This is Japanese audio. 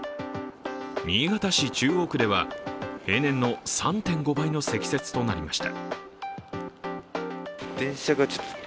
新潟市中央区では、平年の３．５倍の積雪となりました。